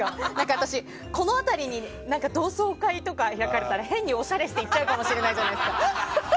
私、この辺りに同窓会とか開かれたら変におしゃれして行っちゃうかもしれないじゃないですか。